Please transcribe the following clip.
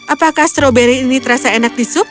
apakah stroberi ini terasa enak di sup